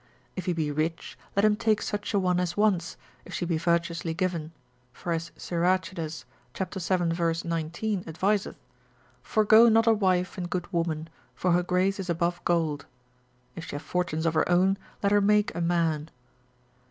If he be rich, let him take such a one as wants, if she be virtuously given; for as Siracides, cap. 7. ver. 19. adviseth, Forego not a wife and good woman; for her grace is above gold. If she have fortunes of her own, let her make a man.